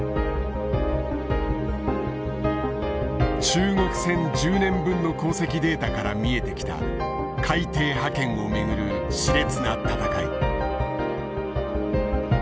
中国船１０年分の航跡データから見えてきた海底覇権をめぐるしれつな闘い。